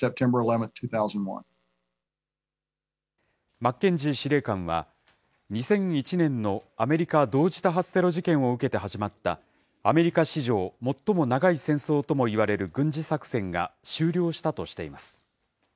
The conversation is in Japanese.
マッケンジー司令官は、２００１年のアメリカ同時多発テロ事件を受けて始まった、アメリカ史上最も長い戦争ともいわれる軍事作戦が終了したとしています。